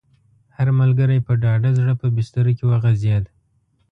هر ملګری په ډاډه زړه په بستره کې وغځېد.